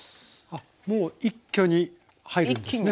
あっもう一挙に入るんですね。